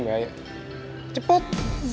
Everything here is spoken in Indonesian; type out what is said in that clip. lalu sekarang gua temperatur sini